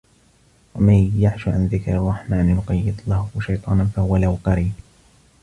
وَمَن يَعشُ عَن ذِكرِ الرَّحمنِ نُقَيِّض لَهُ شَيطانًا فَهُوَ لَهُ قَرينٌ